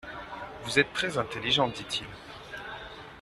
Vous êtes très intelligent, dit-il.